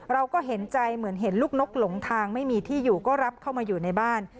เราก็เห็นใจเหมือนเห็นลูกนกหลงทางไม่มีที่อยู่ก็รับเข้ามาอยู่ในบ้าน